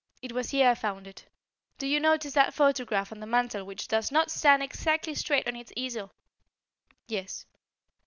It was here I found it. Do you notice that photograph on the mantel which does not stand exactly straight on its easel?" "Yes."